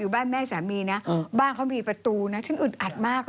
บ้านแม่สามีนะบ้านเขามีประตูนะฉันอึดอัดมาก